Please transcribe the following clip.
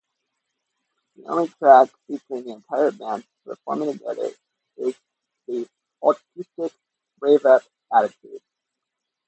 The only track featuring the entire band performing together is the acoustic rave-up "Attitude".